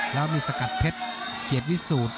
แล้วมีสกัดเพชรเกียรติวิสูจน์